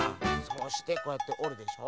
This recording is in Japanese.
そうしてこうやっておるでしょ。